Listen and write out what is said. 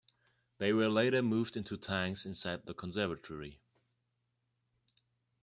They were later moved into tanks inside the conservatory.